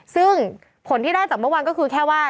ซึ่งผลที่ได้จากเมื่อวานก็คือแค่ว่า